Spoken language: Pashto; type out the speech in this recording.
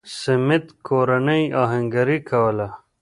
سمېت کورنۍ اهنګري کوله.